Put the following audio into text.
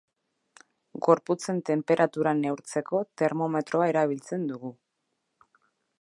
Gorputzen tenperatura neurtzeko termometroa erabiltzen dugu.